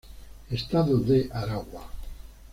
Estado Aragua.